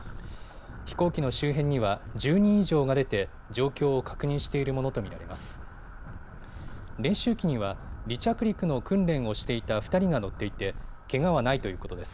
飛行機の周辺には１０人以上が出て、状況を確認しているものと見られます。